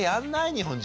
日本人。